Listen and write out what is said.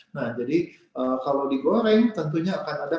nah jadi kalau digoreng tentunya akan ada yang bergantung